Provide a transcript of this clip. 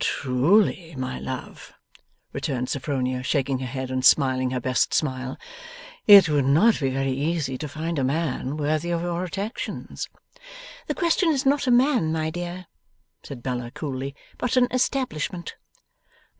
'Truly, my love,' returned Sophronia, shaking her head, and smiling her best smile, 'it would not be very easy to find a man worthy of your attractions.' 'The question is not a man, my dear,' said Bella, coolly, 'but an establishment.